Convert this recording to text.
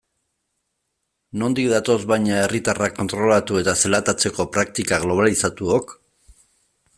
Nondik datoz baina herriatarrak kontrolatu eta zelatatzeko praktika globalizatuok?